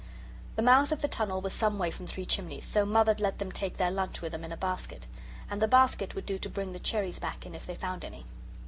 The mouth of the tunnel was some way from Three Chimneys, so Mother let them take their lunch with them in a basket. And the basket would do to bring the cherries back in if they found any.